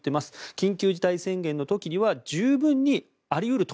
緊急事態宣言の時には十分にあり得ると。